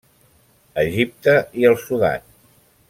Egipte i el Sudan.